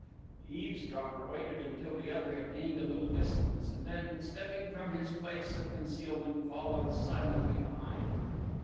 The eavesdropper waited until the other had gained a little distance and then stepping from his place of concealment followed silently behind.